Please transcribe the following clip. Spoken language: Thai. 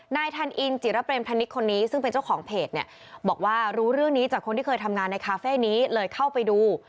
นายทันอินจิระเปรมพนิษฐ์คนนี้ซึ่งเป็นเจ้าของเพจเนี่ยบอกว่ารู้เรื่องนี้จากคนที่เคยทำงานในคาเฟ่นี้เลยเข้าไปดู